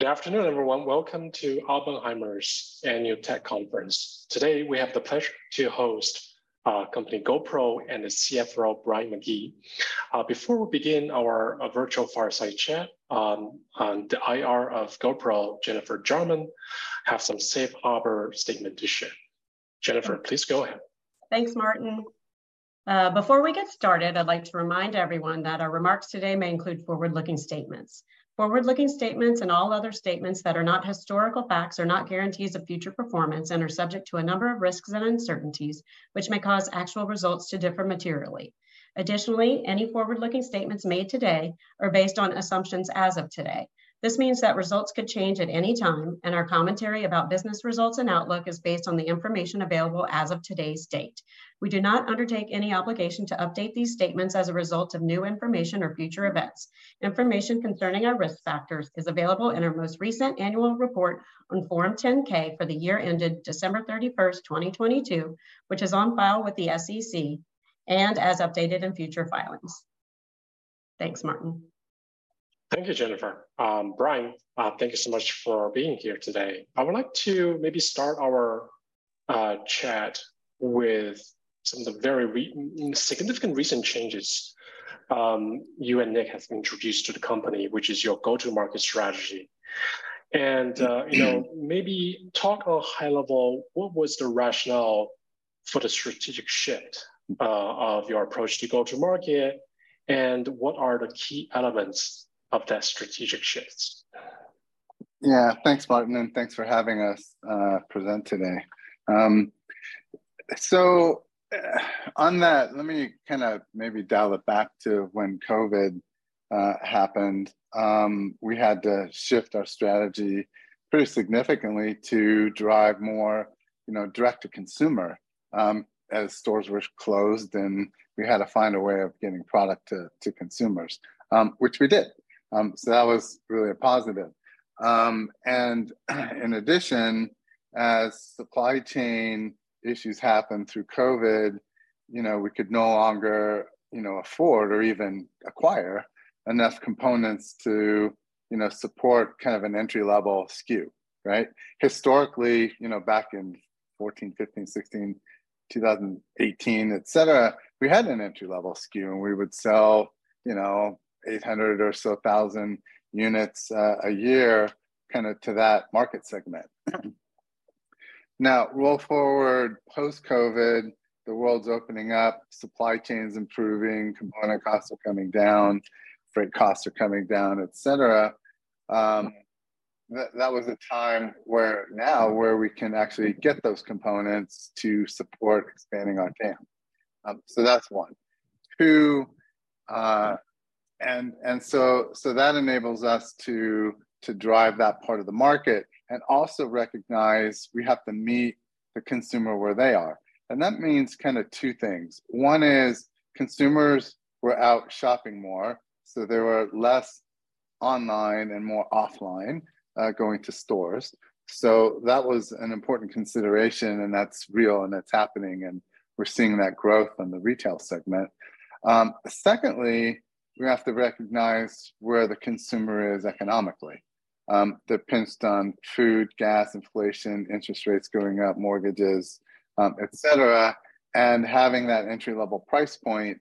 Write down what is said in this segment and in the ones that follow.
Good afternoon, everyone. Welcome to Oppenheimer's Annual Tech Conference. Today, we have the pleasure to host company GoPro and the CFO, Brian McGee. Before we begin our virtual fireside chat, on the IR of GoPro, Jennifer Jarrow have some safe harbor statement to share. Jennifer, please go ahead. Thanks, Martin. Before we get started, I'd like to remind everyone that our remarks today may include forward-looking statements. Forward-looking statements, and all other statements that are not historical facts, are not guarantees of future performance and are subject to a number of risks and uncertainties, which may cause actual results to differ materially. Additionally, any forward-looking statements made today are based on assumptions as of today. This means that results could change at any time, and our commentary about business results and outlook is based on the information available as of today's date. We do not undertake any obligation to update these statements as a result of new information or future events. Information concerning our risk factors is available in our most recent annual report on Form 10-K for the year ended December thirty-first, 2022, which is on file with the SEC, and as updated in future filings. Thanks, Martin. Thank you, Jennifer. Brian, thank you so much for being here today. I would like to maybe start our chat with some of the very significant recent changes, you and Nick have introduced to the company, which is your go-to-market strategy. You know, maybe talk a high level, what was the rationale for the strategic shift, of your approach to go-to-market, and what are the key elements of that strategic shifts? Yeah. Thanks, Martin, and thanks for having us present today. On that, let me kinda maybe dial it back to when COVID happened. We had to shift our strategy pretty significantly to drive more, you know, direct-to-consumer, as stores were closed, and we had to find a way of getting product to consumers, which we did. That was really a positive. In addition, as supply chain issues happened through COVID, you know, we could no longer, you know, afford or even acquire enough components to, you know, support kind of an entry-level SKU, right? Historically, you know, back in 14, 15, 16, 2018, etc., we had an entry-level SKU, and we would sell, you know, 800,000 or so units a year, kinda to that market segment. Roll forward, post-COVID, the world's opening up, supply chain's improving, component costs are coming down, freight costs are coming down, etc., that, that was a time where now where we can actually get those components to support expanding our TAM. So that's one. Two, and, and so, so that enables us to, to drive that part of the market and also recognize we have to meet the consumer where they are, and that means kinda two things. One is consumers were out shopping more, so they were less online and more offline, going to stores. That was an important consideration, and that's real, and it's happening, and we're seeing that growth in the retail segment. Secondly, we have to recognize where the consumer is economically. Depends on food, gas, inflation, interest rates going up, mortgages, etc. Having that entry-level price point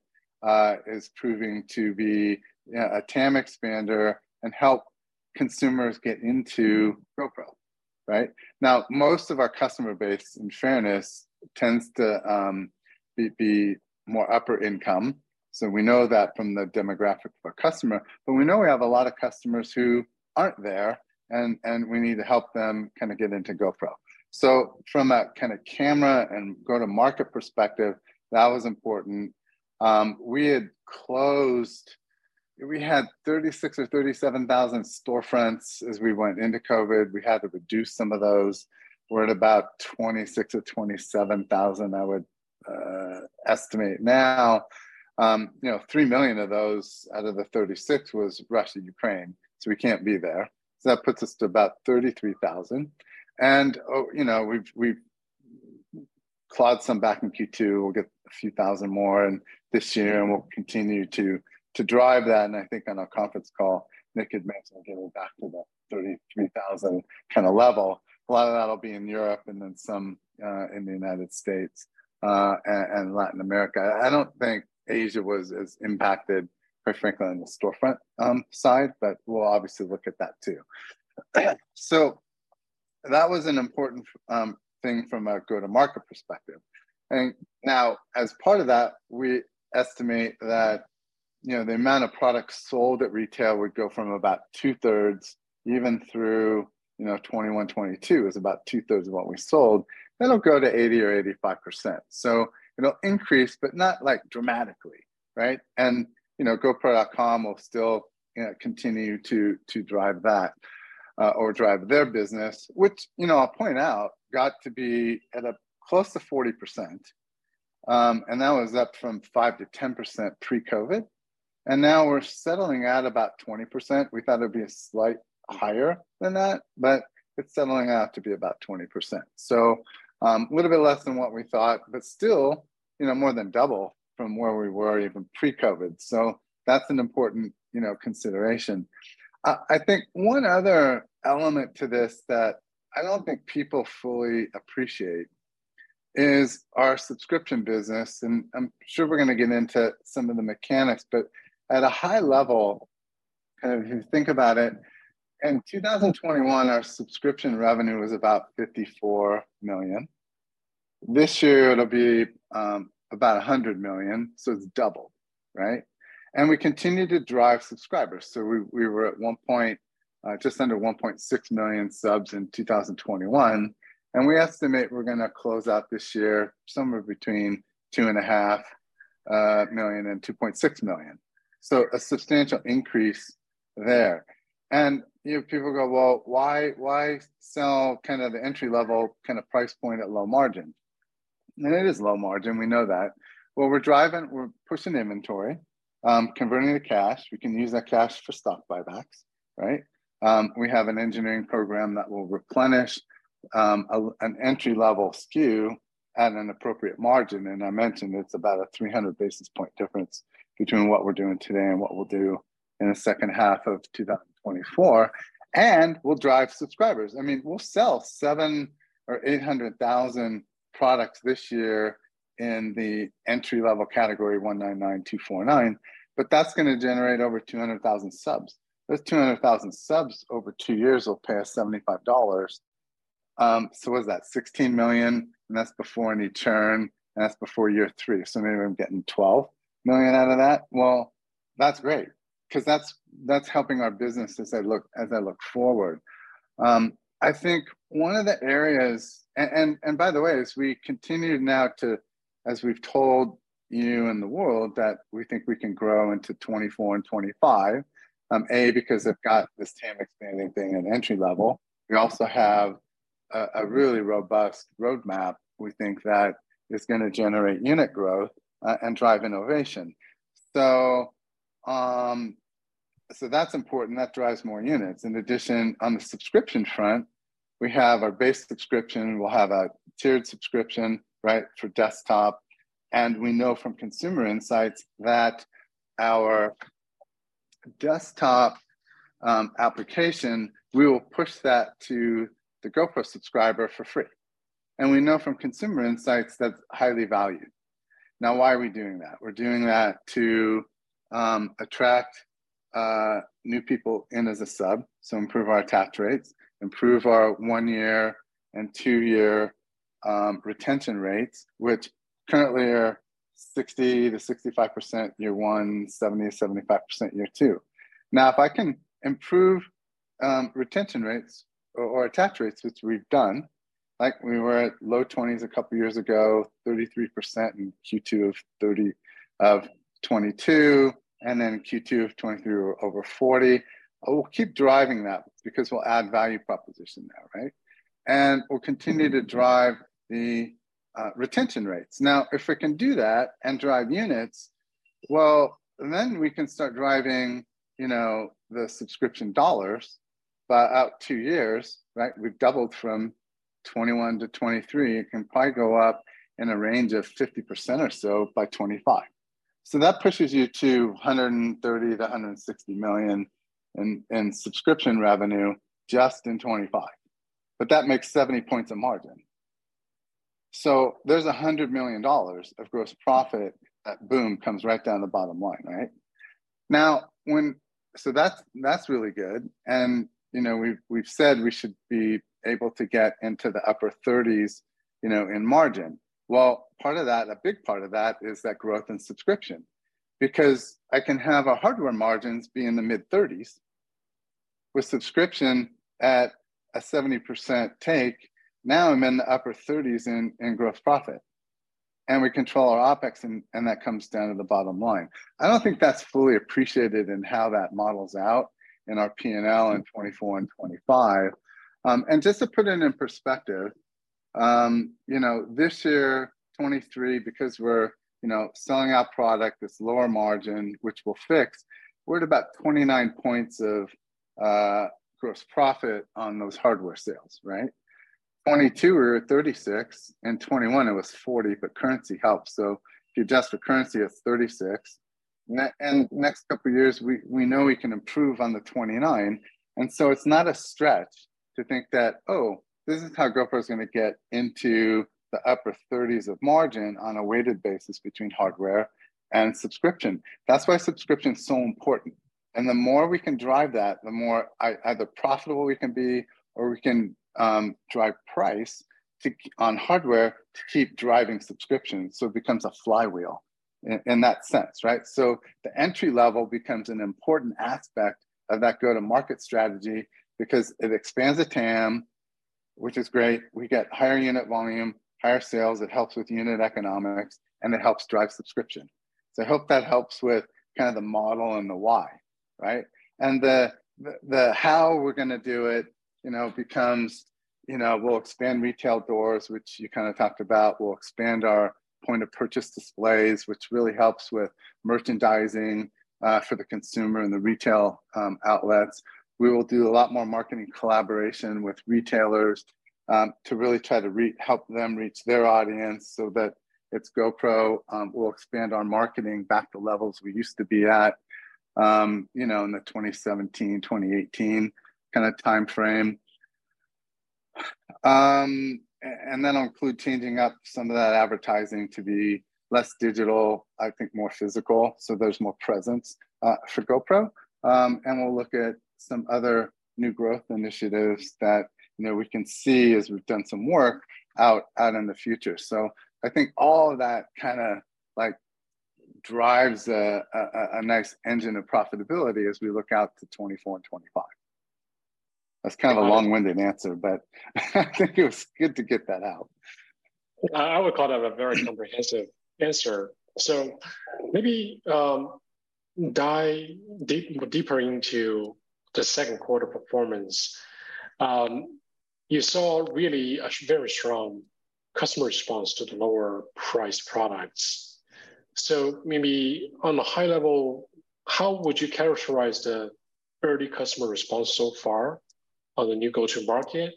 is proving to be, yeah, a TAM expander and help consumers get into GoPro, right? Now, most of our customer base, in fairness, tends to be, be more upper income, so we know that from the demographic of our customer, but we know we have a lot of customers who aren't there, and, and we need to help them kinda get into GoPro. From a kinda camera and go-to-market perspective, that was important. We had closed... We had 36,000 or 37,000 storefronts as we went into COVID. We had to reduce some of those. We're at about 26,000 or 27,000, I would estimate now. You know, 3 million of those out of the 36,000 was Russia, Ukraine, so we can't be there. That puts us to about 33,000. You know, we've, we've clawed some back in Q2. We'll get a few thousand more in this year, and we'll continue to, to drive that, and I think on our conference call, Nick had mentioned getting back to the 33,000 kinda level. A lot of that'll be in Europe and then some in the United States and Latin America. I don't think Asia was as impacted quite frankly on the storefront side, but we'll obviously look at that too. That was an important thing from a go-to-market perspective. As part of that, we estimate that, you know, the amount of products sold at retail would go from about two-thirds, even through, you know, 2021, 2022, is about two-thirds of what we sold. That'll go to 80% or 85%. It'll increase, but not, like, dramatically, right? You know, gopro.com will still continue to drive that or drive their business, which, you know, I'll point out, got to be at a close to 40%, and that was up from 5%-10% pre-COVID, and now we're settling at about 20%. We thought it'd be a slight higher than that, but it's settling out to be about 20%. A little bit less than what we thought, but still you know, more than double from where we were even pre-COVID. That's an important, you know, consideration. I think one other element to this that I don't think people fully appreciate is our subscription business. I'm sure we're gonna get into some of the mechanics. At a high level, kind of if you think about it, in 2021, our subscription revenue was about $54 million. This year it'll be about $100 million. It's double, right? We continue to drive subscribers. We, we were at one point, just under 1.6 million subs in 2021. We estimate we're gonna close out this year somewhere between 2.5 million and 2.6 million. A substantial increase there. You know, people go, "Well, why, why sell kind of the entry-level kind of price point at low margin?" It is low margin, we know that. Well, we're pushing inventory, converting to cash. We can use that cash for stock buybacks, right? We have an engineering program that will replenish an entry-level SKU at an appropriate margin. I mentioned it's about a 300 basis point difference between what we're doing today and what we'll do in the second half of 2024. We'll drive subscribers. I mean, we'll sell 700,000 or 800,000 products this year in the entry-level category, $199, $249. That's gonna generate over 200,000 subs. Those 200,000 subs over two years will pay us $75. What is that? $16 million. That's before any churn. That's before year three. Maybe I'm getting $12 million out of that. Well, that's great 'cause that's, that's helping our business as I look, as I look forward. I think one of the areas, and, and, and by the way, as we continue now to, as we've told you and the world, that we think we can grow into 2024 and 2025, A, because they've got this TAM expanding thing at entry level, we also have a, a really robust roadmap we think that is gonna generate unit growth, and drive innovation. So that's important. That drives more units. In addition, on the subscription front, we have our base subscription. We'll have a tiered subscription, right, for desktop, and we know from consumer insights that our desktop, application, we will push that to the GoPro subscriber for free, and we know from consumer insights that's highly valued. Now, why are we doing that? We're doing that to attract new people in as a sub, so improve our attach rates, improve our one-year and two-year retention rates, which currently are 60%-65% year one, 70%-75% year two. If I can improve retention rates or, or attach rates, which we've done, like we were at low 20s a couple of years ago, 33% in Q2 of 2022, and then Q2 of 2023 over 40. We'll keep driving that because we'll add value proposition now, right? We'll continue to drive the retention rates. If we can do that and drive units, well, then we can start driving, you know, the subscription dollars. Out two years, right, we've doubled from 2021 to 2023. It can probably go up in a range of 50% or so by 2025. That pushes you to $130 million-$160 million in subscription revenue just in 2025, but that makes 70 points of margin. There's $100 million of gross profit. That boom comes right down the bottom line, right? That's really good, and, you know, we've said we should be able to get into the upper 30s, you know, in margin. Part of that, a big part of that, is that growth in subscription. I can have our hardware margins be in the mid-30s, with subscription at a 70% take, now I'm in the upper 30s in gross profit, and we control our OpEx and that comes down to the bottom line. I don't think that's fully appreciated in how that model's out in our PNL in 2024 and 2025. Just to put it in perspective, you know, this year, 2023, because we're, you know, selling our product, this lower margin, which we'll fix, we're at about 29 points of gross profit on those hardware sales, right? 2022 we were at 36, in 2021 it was 40, but currency helps, so if you adjust for currency, it's 36. Next couple of years, we, we know we can improve on the 29, and so it's not a stretch to think that, oh, this is how GoPro is gonna get into the upper 30s of margin on a weighted basis between hardware and subscription. That's why subscription is so important, and the more we can drive that, the more either profitable we can be, or we can drive price to, on hardware to keep driving subscriptions. It becomes a flywheel in, in that sense, right? The entry level becomes an important aspect of that go-to-market strategy because it expands the TAM, which is great. We get higher unit volume, higher sales, it helps with unit economics, and it helps drive subscription. I hope that helps with kind of the model and the why, right? And the, the, the how we're gonna do it, you know, becomes, you know, we'll expand retail doors, which you kind of talked about. We'll expand our point-of-purchase displays, which really helps with merchandising for the consumer and the retail outlets. We will do a lot more marketing collaboration with retailers-... to really try to help them reach their audience so that it's GoPro, we'll expand our marketing back to levels we used to be at, you know, in the 2017, 2018 kind of time frame. Then I'll include changing up some of that advertising to be less digital, I think more physical, so there's more presence for GoPro. We'll look at some other new growth initiatives that, you know, we can see as we've done some work out, out in the future. I think all of that kind of, like, drives a, a, a nice engine of profitability as we look out to 2024 and 2025. That's kind of a long-winded answer, but I think it was good to get that out. I would call that a very comprehensive answer. Maybe deeper into the second quarter performance. You saw really a very strong customer response to the lower priced products. Maybe on a high level, how would you characterize the early customer response so far on the new go-to-market?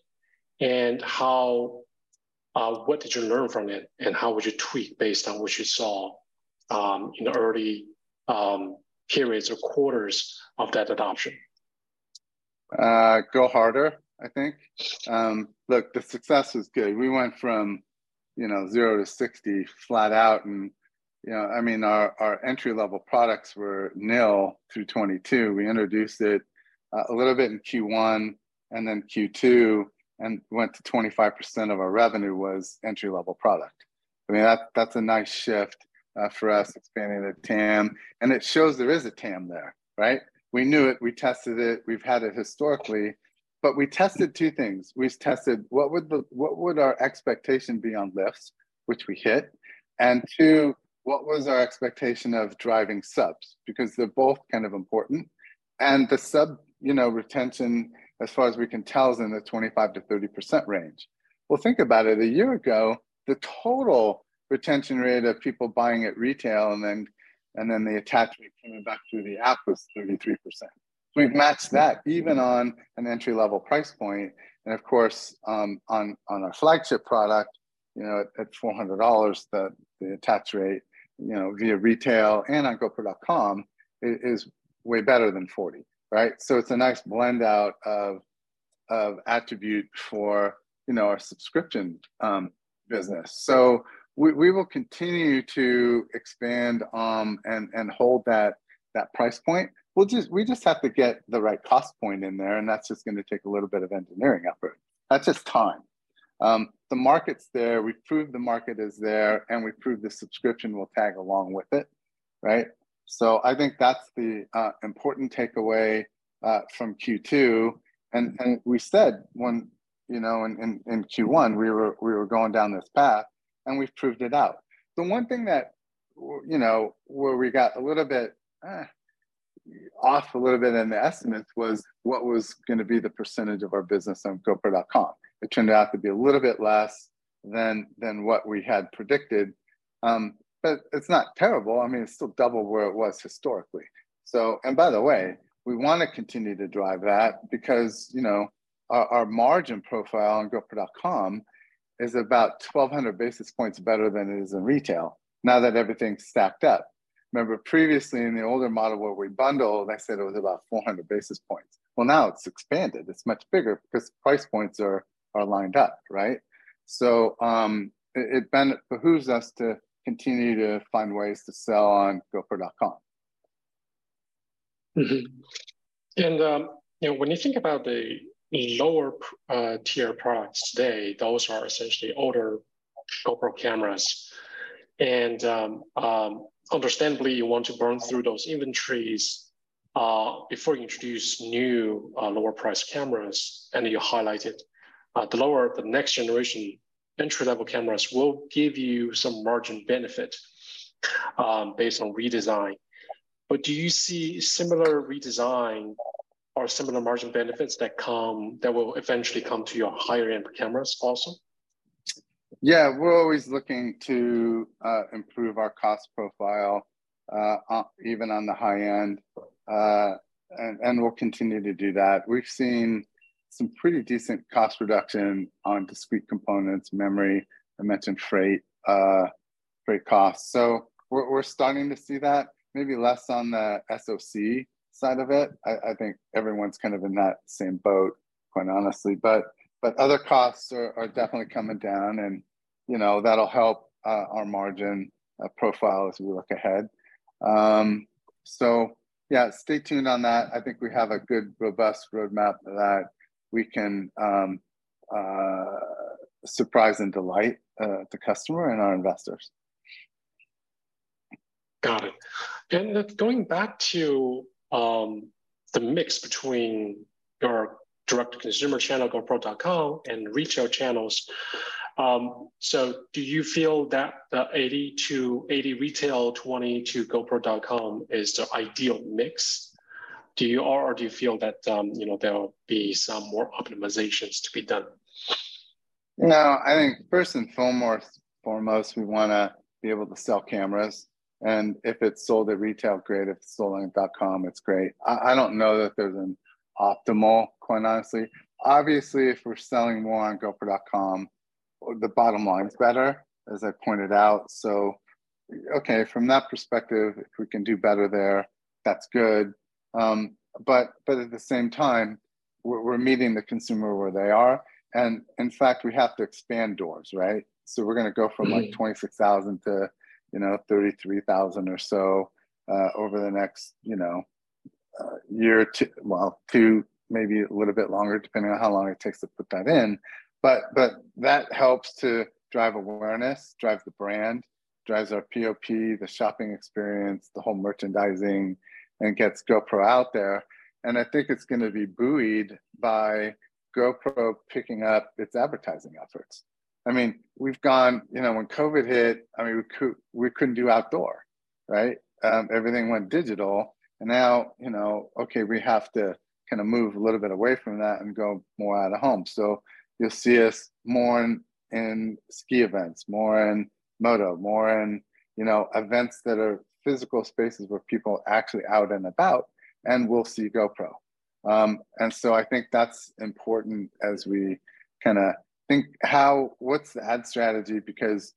How what did you learn from it, and how would you tweak based on what you saw in the early periods or quarters of that adoption? Go harder, I think. Look, the success is good. We went from, you know, 0 to 60, flat out, our, our entry-level products were nil through 2022. We introduced it a little bit in Q1 and then Q2, went to 25% of our revenue was entry-level product. That's a nice shift for us, expanding the TAM, it shows there is a TAM there, right? We knew it. We tested it. We've had it historically, we tested two things. We tested what would our expectation be on lifts, which we hit, and two, what was our expectation of driving subs? They're both kind of important, the sub, you know, retention, as far as we can tell, is in the 25%-30% range. Well, think about it. A year ago, the total retention rate of people buying at retail, and then, and then the attachment coming back through the app was 33%. We've matched that even on an entry-level price point, and of course, on, on our flagship product, you know, at, at $400, the, the attach rate, you know, via retail and on gopro.com, is, is way better than 40%, right? It's a nice blend-out of, of attribute for, you know, our subscription business. We, we will continue to expand and, and hold that, that price point. We just have to get the right cost point in there, and that's just gonna take a little bit of engineering effort. That's just time. The market's there. We've proved the market is there, and we've proved the subscription will tag along with it, right? I think that's the important takeaway from Q2. We said when, you know, in Q1, we were going down this path, and we've proved it out. The one thing that, you know, where we got a little bit off a little bit in the estimates was, what was gonna be the percentage of our business on gopro.com? It turned out to be a little bit less than what we had predicted, but it's not terrible. I mean, it's still double where it was historically. By the way, we wanna continue to drive that because, you know, our margin profile on gopro.com is about 1,200 basis points better than it is in retail now that everything's stacked up. Remember previously in the older model where we bundled, I said it was about 400 basis points. Now it's expanded. It's much bigger because price points are, are lined up, right? It behooves us to continue to find ways to sell on gopro.com. You know, when you think about the lower tier products today, those are essentially older GoPro cameras. Understandably, you want to burn through those inventories before you introduce new, lower-priced cameras. You highlighted the lower, the next-generation entry-level cameras will give you some margin benefit based on redesign. Do you see similar redesign or similar margin benefits that come, that will eventually come to your higher-end cameras also? Yeah, we're always looking to improve our cost profile, even on the high end, and we'll continue to do that. We've seen some pretty decent cost reduction on discrete components, memory. I mentioned freight, freight costs. We're, we're starting to see that maybe less on the SoC side of it. I, I think everyone's kind of in that same boat, quite honestly. But other costs are, are definitely coming down and, you know, that'll help our margin profile as we look ahead. Yeah, stay tuned on that. I think we have a good, robust roadmap that we can surprise and delight the customer and our investors. Got it. Going back to the mix between your direct-to-consumer channel, gopro.com, and retail channels, do you feel that the 80 to-- 80 retail, 20 to gopro.com is the ideal mix? Do you, or, or do you feel that, you know, there'll be some more optimizations to be done? No, I think first and foremost, foremost, we wanna be able to sell cameras. If it's sold at retail, great. If it's sold on dot com, it's great. I, I don't know that there's an optimal, quite honestly. Obviously, if we're selling more on gopro.com, well, the bottom line's better, as I pointed out. Okay, from that perspective, if we can do better there, that's good. But at the same time, we're, we're meeting the consumer where they are, and in fact, we have to expand doors, right? We're gonna go from- Mm-hmm... like, 26,000 to, you know, 33,000 or so, over the next, you know, year or two, well, two, maybe a little bit longer, depending on how long it takes to put that in. That helps to drive awareness, drive the brand, drives our POP, the shopping experience, the whole merchandising, and gets GoPro out there. I think it's gonna be buoyed by GoPro picking up its advertising efforts. I mean, we've gone. You know, when COVID hit, I mean, we couldn't do outdoor, right? Everything went digital, and now, you know, okay, we have to kind of move a little bit away from that and go more out of home. You'll see us more in, in ski events, more in moto, more in, you know, events that are physical spaces where people are actually out and about, and will see GoPro. I think that's important as we kinda think what's the ad strategy? Because,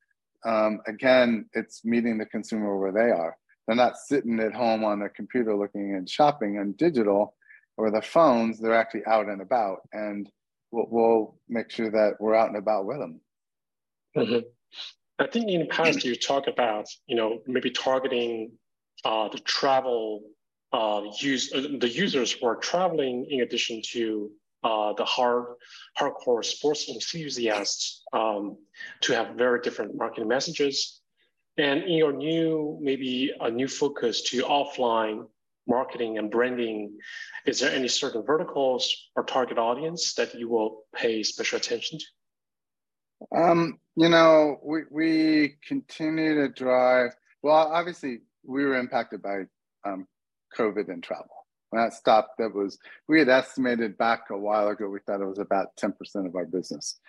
again, it's meeting the consumer where they are. They're not sitting at home on their computer looking and shopping on digital or their phones. They're actually out and about, and we'll, we'll make sure that we're out and about with them. I think in the past, you talked about, you know, maybe targeting, the travel, the users who are traveling, in addition to, the hard, hardcore sports enthusiasts, to have very different marketing messages. In your new, maybe a new focus to offline marketing and branding, is there any certain verticals or target audience that you will pay special attention to? You know, we, we continue to drive... Well, obviously, we were impacted by COVID in travel. When that stopped, we had estimated back a while ago, we thought it was about 10% of our business.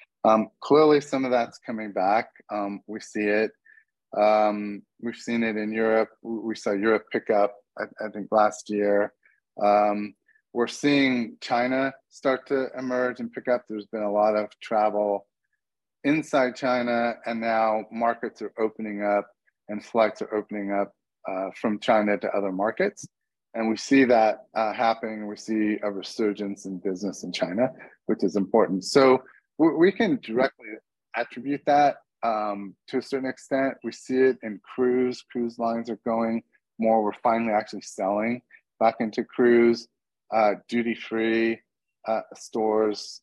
Clearly, some of that's coming back. We see it. We've seen it in Europe. We saw Europe pick up, I, I think last year. We're seeing China start to emerge and pick up. There's been a lot of travel inside China, and now markets are opening up, and flights are opening up from China to other markets, and we see that happening. We see a resurgence in business in China, which is important. We can directly attribute that to a certain extent. We see it in cruise. Cruise lines are going more. We're finally actually selling back into cruise, duty-free, stores,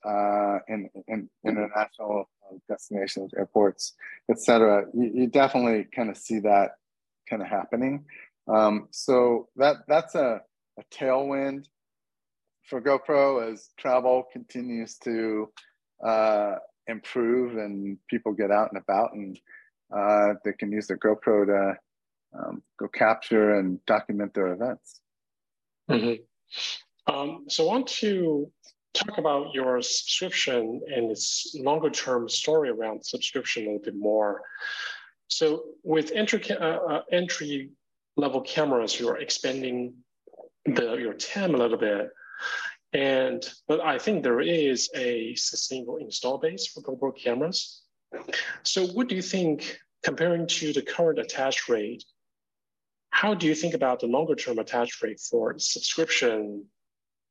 in, in, international, destinations, airports, et cetera. You, you definitely kind of see that kind of happening. That, that's a, a tailwind for GoPro as travel continues to improve and people get out and about, and they can use their GoPro to go capture and document their events. I want to talk about your subscription and its longer-term story around subscription a little bit more. With entry-level cameras, you are expanding the, your TAM a little bit, and but I think there is a sustainable install base for GoPro cameras. What do you think, comparing to the current attach rate, how do you think about the longer-term attach rate for subscription,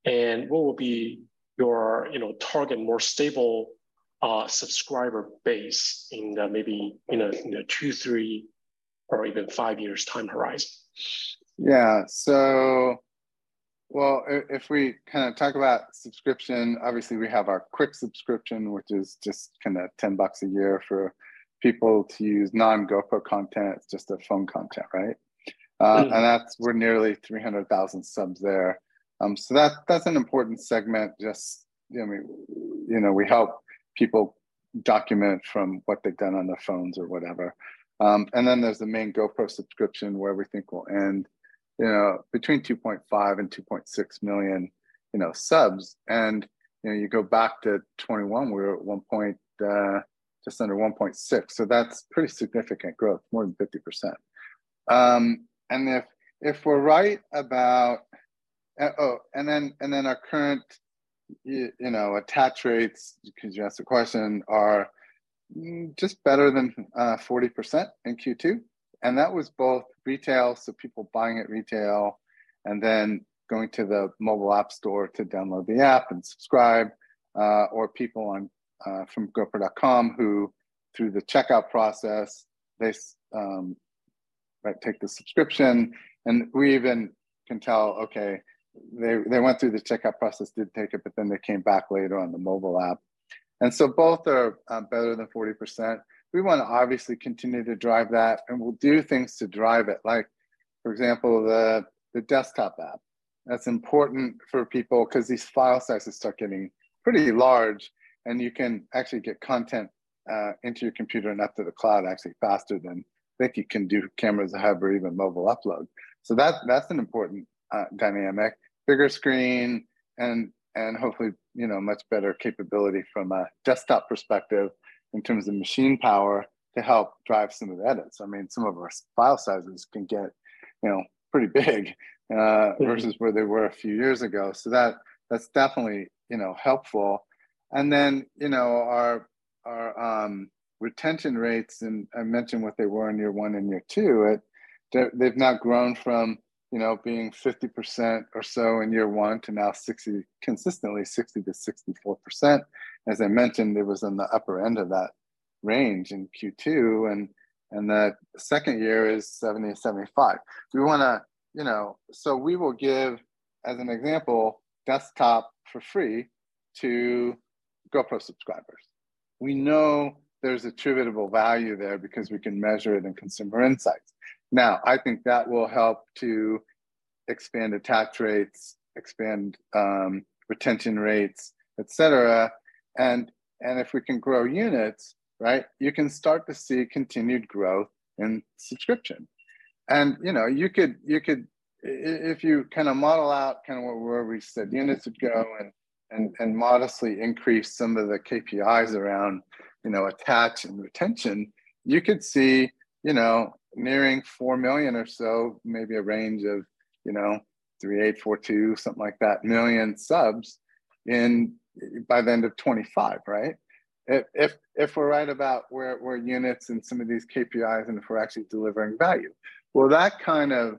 and what would be your, you know, target, more stable, subscriber base in the maybe, in a, you know, two, three, or even five years time horizon? Yeah, well, if we kind of talk about subscription, obviously we have our Quik subscription, which is just kinda $10 a year for people to use non-GoPro content. It's just their phone content, right? Mm-hmm. That's- we're nearly 300,000 subs there. That, that's an important segment, just, you know what I mean, you know, we help people document from what they've done on their phones or whatever. Then there's the main GoPro subscription, where we think we'll end, you know, between 2.5 million and 2.6 million, you know, subs. You know, you go back to 2021, we were at one point, just under 1.6, so that's pretty significant growth, more than 50%. If, if we're right about... Our current, you know, attach rates, 'cause you asked the question, are just better than 40% in Q2, and that was both retail, so people buying at retail and then going to the mobile app store to download the app and subscribe, or people on from gopro.com, who, through the checkout process, they like, take the subscription. We even can tell, okay, they, they went through the checkout process, did take it, but then they came back later on the mobile app. Both are better than 40%. We wanna obviously continue to drive that, and we'll do things to drive it, like, for example, the desktop app. That's important for people 'cause these file sizes start getting pretty large, and you can actually get content, into your computer and up to the cloud actually faster than I think you can do with cameras or have or even mobile upload. That's an important dynamic. Bigger screen and, hopefully, you know, much better capability from a desktop perspective in terms of machine power to help drive some of the edits. I mean, some of our file sizes can get, you know, pretty big. Mm-hmm... versus where they were a few years ago. That, that's definitely, you know, helpful. Then, you know, Our retention rates, and I mentioned what they were in year one and year two, it, they, they've now grown from, you know, being 50% or so in year one to now 60, consistently 60%-64%. As I mentioned, it was in the upper end of that range in Q2, and the second year is 70, 75. We wanna, you know, we will give, as an example, desktop for free to GoPro subscribers. We know there's attributable value there because we can measure it in consumer insights. I think that will help to expand attach rates, expand retention rates, et cetera. If we can grow units, right, you can start to see continued growth in subscription. You know, you could, you could if you kind of model out kind of where we said units would go and, and, and modestly increase some of the KPIs around, you know, attach and retention, you could see, you know, nearing 4 million or so, maybe a range of, you know, 3.8-4.2, something like that, million subs in by the end of 2025, right? If, if, if we're right about where, where units and some of these KPIs and if we're actually delivering value. That kind of,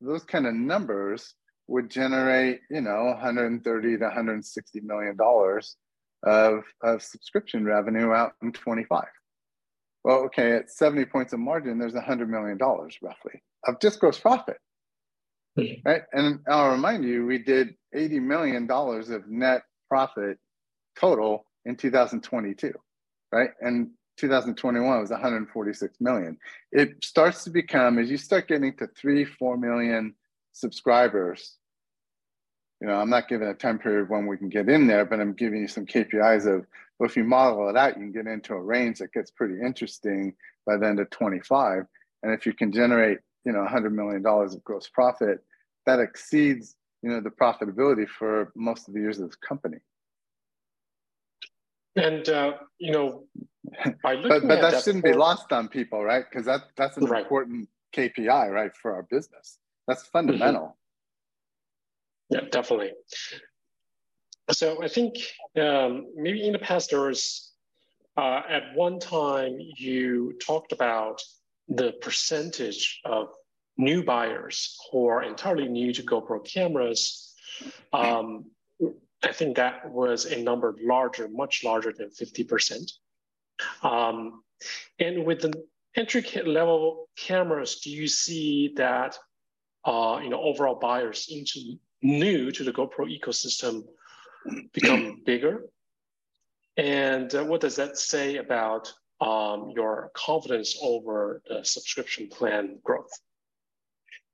those kind of numbers would generate, you know, $130 million-$160 million of, of subscription revenue out in 2025. Okay, at 70 points of margin, there's $100 million roughly, of just gross profit. Mm-hmm. Right? I'll remind you, we did $80 million of net profit total in 2022, right? 2021 was $146 million. It starts to become, as you start getting to 3 million, 4 million subscribers, you know, I'm not giving a time period of when we can get in there, but I'm giving you some KPIs of, well, if you model it out, you can get into a range that gets pretty interesting by the end of 2025. If you can generate, you know, $100 million of gross profit, that exceeds, you know, the profitability for most of the years of this company. You know, by looking at that. That shouldn't be lost on people, right? 'Cause that- Right... that's an important KPI, right, for our business. That's fundamental. Yeah, definitely. I think, maybe in the past there was, at one time, you talked about the percentage of new buyers who are entirely new to GoPro cameras. I think that was a number larger, much larger than 50%. With the entry-level cameras, do you see that, you know, overall buyers into new to the GoPro ecosystem becoming bigger? What does that say about your confidence over the subscription plan growth?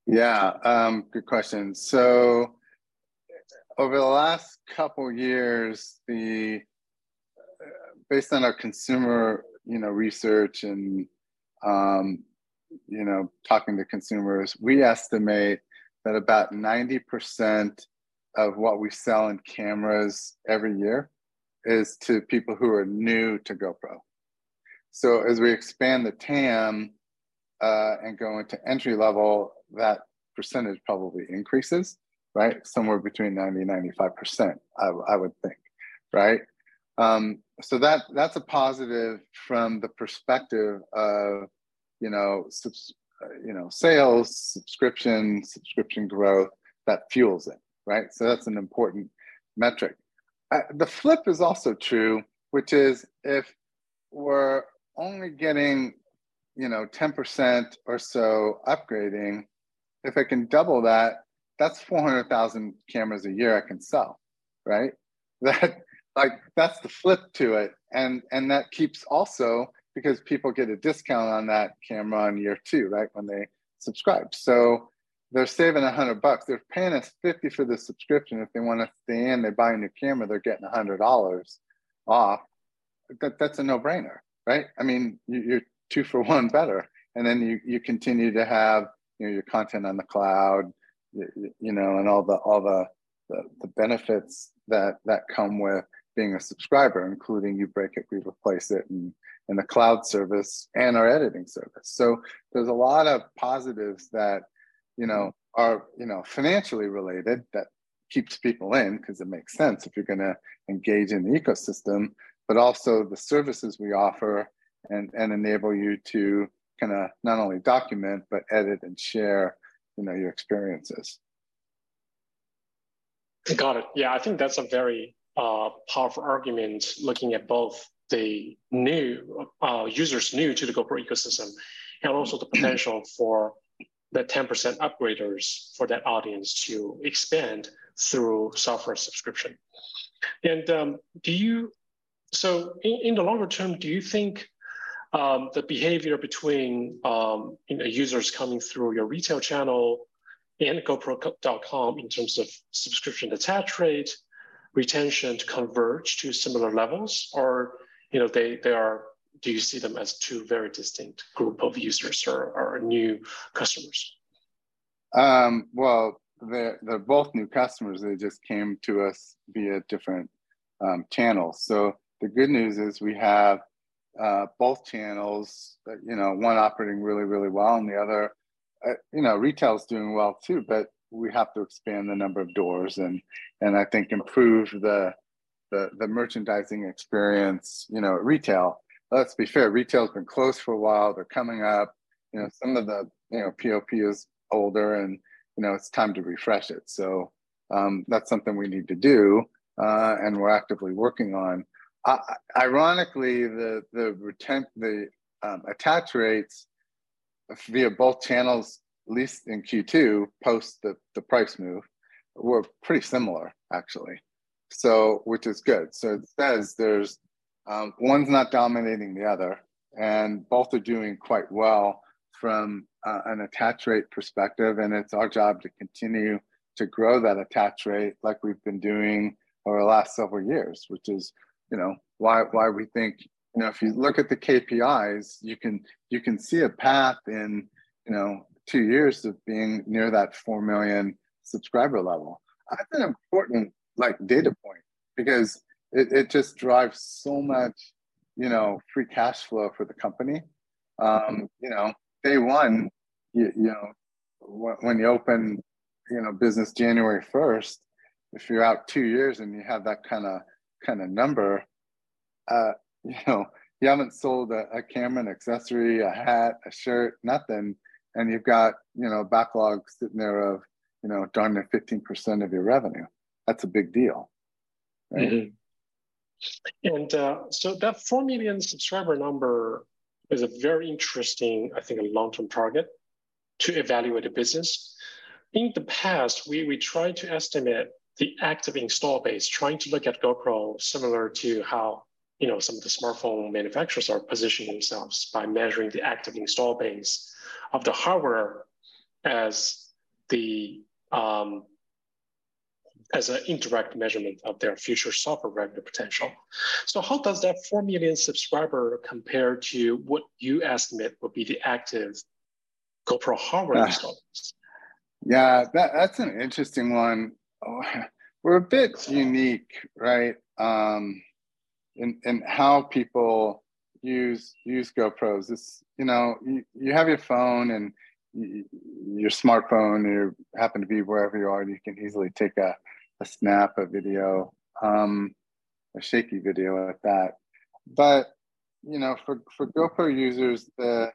Yeah, good question. Over the last couple years, the, based on our consumer, you know, research and, you know, talking to consumers, we estimate that about 90% of what we sell in cameras every year is to people who are new to GoPro. As we expand the TAM, and go into entry-level, that percentage probably increases, right? Somewhere between 90%-95%, I, I would think, right? That, that's a positive from the perspective of, you know, subs- you know, sales, subscription, subscription growth, that fuels it, right? That's an important metric. The flip is also true, which is if we're only getting, you know, 10% or so upgrading, if I can double that, that's 400,000 cameras a year I can sell, right? That, like, that's the flip to it, and that keeps also because people get a discount on that camera on year two, right, when they subscribe. They're saving $100. They're paying us $50 for the subscription. If they wanna stay in, they buy a new camera, they're getting $100 off. That, that's a no-brainer, right? I mean, you're, you're two for one better, and then you, you continue to have, you know, your content on the cloud, you know, and all the, all the, the, the benefits that, that come with being a subscriber, including you break it, we replace it, and the cloud service and our editing service. There's a lot of positives that, you know, are, you know, financially related, that keeps people in, 'cause it makes sense if you're gonna engage in the ecosystem. Also the services we offer and enable you to kinda not only document, but edit and share, you know, your experiences. Got it. Yeah, I think that's a very powerful argument, looking at both the new users new to the GoPro ecosystem, and also the potential for the 10% upgraders for that audience to expand through software subscription. So in the longer term, do you think the behavior between, you know, users coming through your retail channel and gopro.com in terms of subscription attach rate, retention to converge to similar levels? Do you see them as two very distinct group of users or, or new customers? Well, they're, they're both new customers. They just came to us via different channels. The good news is we have both channels, you know, one operating really, really well. You know, retail's doing well, too, but we have to expand the number of doors, and I think improve the merchandising experience. You know, at retail, let's be fair, retail's been closed for a while. They're coming up, you know, some of the, you know, POP is older, and, you know, it's time to refresh it. That's something we need to do, and we're actively working on. Ironically, the attach rates via both channels, at least in Q2, post the price move, were pretty similar, actually. Which is good. It says there's one's not dominating the other, and both are doing quite well from an attach rate perspective, and it's our job to continue to grow that attach rate like we've been doing over the last several years, which is, you know, why, why we think, you know, if you look at the KPIs, you can, you can see a path in, you know, two years of being near that 4 million subscriber level. That's an important, like, data point, because it, it just drives so much, you know, free cash flow for the company. you know, day 1, you know, when you open, you know, business January 1st, if you're out 2 years and you have that kind of, kind of number, you know, you haven't sold a, a camera, an accessory, a hat, a shirt, nothing, and you've got, you know, backlog sitting there of, you know, darn near 15% of your revenue. That's a big deal, right? Mm-hmm. That 4 million subscriber number is a very interesting, I think, a long-term target to evaluate a business. In the past, we, we tried to estimate the active install base, trying to look at GoPro, similar to how, you know, some of the smartphone manufacturers are positioning themselves by measuring the active install base of the hardware as an indirect measurement of their future software revenue potential. How does that 4 million subscriber compare to what you estimate would be the active GoPro hardware installs? Yeah, that, that's an interesting one. We're a bit unique, right, in, in how people use, use GoPros. It's, you know, you have your phone and your smartphone, you happen to be wherever you are, and you can easily take a, a snap, a video, a shaky video at that. You know, for, for GoPro users, the,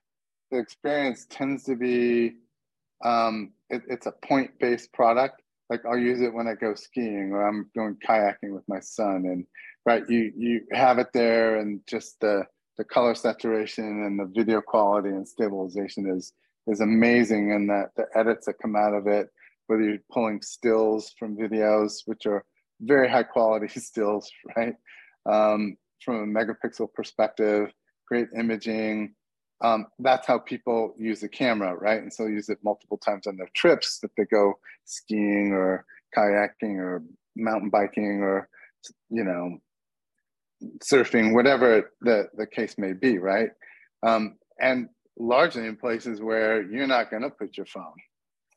the experience tends to be, it, it's a point-based product. Like, I'll use it when I go skiing, or I'm going kayaking with my son, and, right, you, you have it there, and just the, the color saturation and the video quality and stabilization is, is amazing, and the, the edits that come out of it, whether you're pulling stills from videos, which are very high quality stills, right? From a megapixel perspective, great imaging. That's how people use a camera, right? Use it multiple times on their trips, if they go skiing or kayaking or mountain biking or, you know, surfing, whatever the case may be, right? Largely in places where you're not gonna put your phone,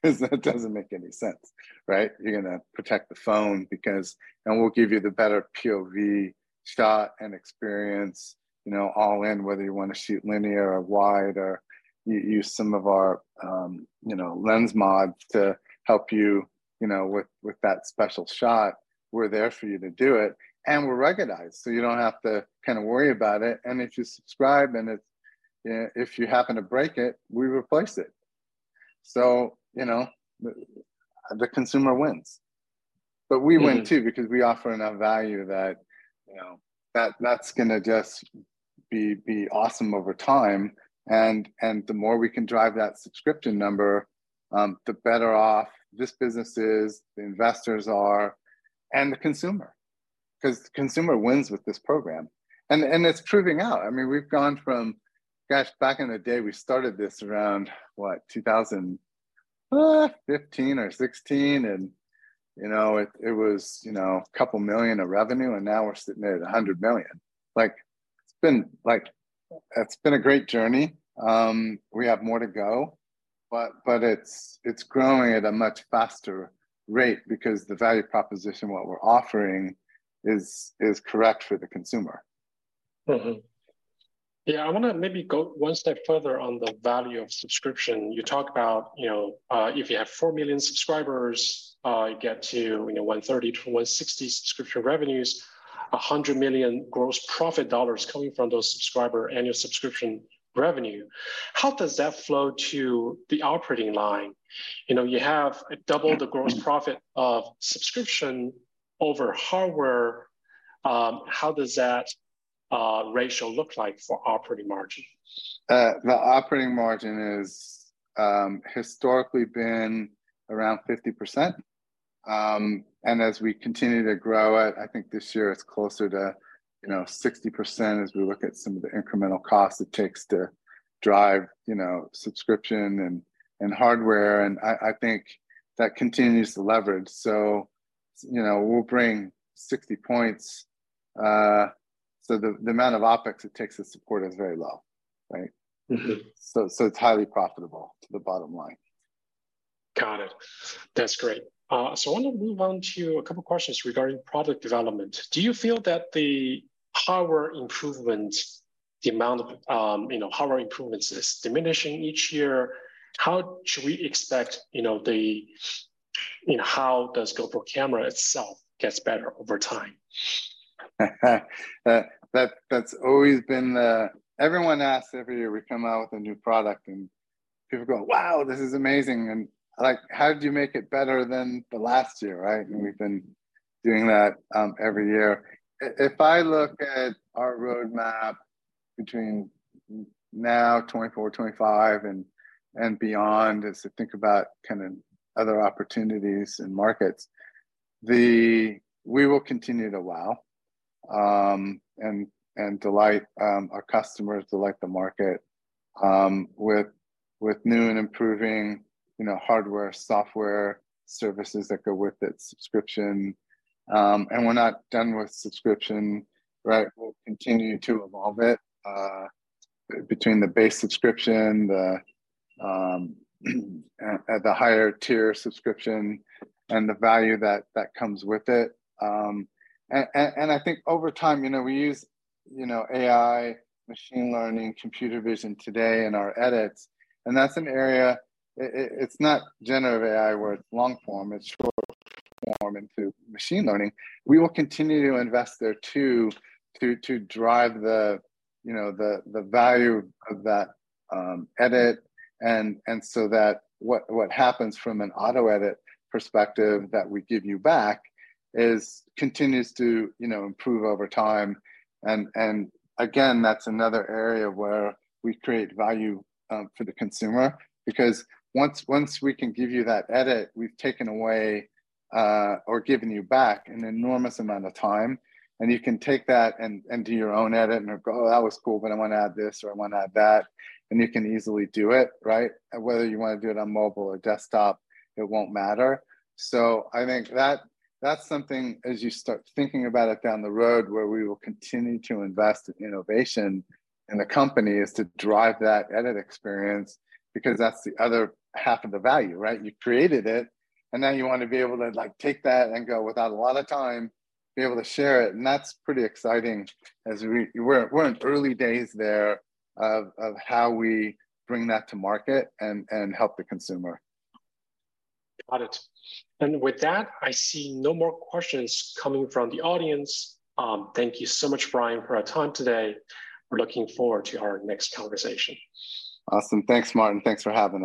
'cause that doesn't make any sense, right? You're gonna protect the phone because... We'll give you the better POV shot and experience, you know, all in, whether you want to shoot linear or wide, or you use some of our, you know, Lens Mods to help you, you know, with that special shot. We're there for you to do it, and we're recognized, so you don't have to kind of worry about it. If you subscribe, and if you happen to break it, we replace it. You know, the consumer wins. We win. Mm... too, because we offer enough value that, you know, that, that's gonna just be, be awesome over time. The more we can drive that subscription number, the better off this business is, the investors are, and the consumer, 'cause the consumer wins with this program, and, and it's proving out. I mean, we've gone from, gosh, back in the day, we started this around, what, 2015 or 2016, and, you know, it, it was, you know, $2 million of revenue, and now we're sitting at $100 million. Like, it's been, like, it's been a great journey. We have more to go, but, it's, it's growing at a much faster rate because the value proposition, what we're offering, is, is correct for the consumer. Mm-hmm. Yeah, I wanna maybe go one step further on the value of subscription. You talk about, you know, if you have 4 million subscribers, you get to, you know, $130 million-$160 million subscription revenues, $100 million gross profit dollars coming from those subscriber annual subscription revenue. How does that flow to the operating line? You know, you have double the gross profit of subscription over hardware. How does that ratio look like for operating margin? The operating margin is historically been around 50%. As we continue to grow it, I think this year it's closer to, you know, 60% as we look at some of the incremental costs it takes to drive, you know, subscription and, and hardware, and I, I think that continues to leverage. You know, we'll bring 60 points. The, the amount of OpEx it takes to support is very low, right? Mm-hmm. So it's highly profitable to the bottom line. Got it. That's great. I wanna move on to two questions regarding product development. Do you feel that the hardware improvement, the amount of, you know, hardware improvements is diminishing each year? How should we expect, you know, the, you know, how does GoPro camera itself gets better over time? That, that's always been everyone asks every year we come out with a new product, like, "Wow, this is amazing!" How did you make it better than the last year," right? We've been doing that, every year. If I look at our roadmap between now, 2024, 2025, and beyond, as I think about kind of other opportunities and markets, we will continue to wow, and delight, our customers, delight the market, with new and improving, you know, hardware, software, services that go with it, subscription. We're not done with subscription, right? We'll continue to evolve it, between the base subscription, at the higher tier subscription and the value that, that comes with it. I think over time, you know, we use, you know, AI, machine learning, computer vision today in our edits, and that's an area. It's not generative AI, where it's long form. It's short form into machine learning. We will continue to invest there, too, to, to drive the, you know, the, the value of that, edit and, and so that what, what happens from an auto-edit perspective that we give you back is continues to, you know, improve over time. Again, that's another area where we create value for the consumer because once, once we can give you that edit, we've taken away or given you back an enormous amount of time, and you can take that and, and do your own edit and go, "Oh, that was cool, but I wanna add this, or I wanna add that," and you can easily do it, right? Whether you wanna do it on mobile or desktop, it won't matter. I think that, that's something as you start thinking about it down the road, where we will continue to invest in innovation in the company, is to drive that edit experience, because that's the other half of the value, right? You created it, and now you want to be able to, like, take that and go without a lot of time, be able to share it, and that's pretty exciting as we're in early days there of how we bring that to market and help the consumer. Got it. With that, I see no more questions coming from the audience. Thank you so much, Brian, for our time today. We're looking forward to our next conversation. Awesome. Thanks, Martin. Thanks for having me.